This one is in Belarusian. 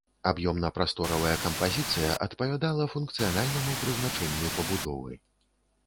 Аб'ёмна-прасторавая кампазіцыя адпавядала функцыянальнаму прызначэнню пабудовы.